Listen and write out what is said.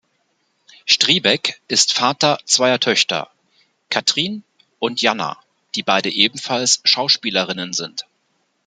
Striebeck ist Vater zweier Töchter, Catrin und Janna, die beide ebenfalls Schauspielerinnen sind.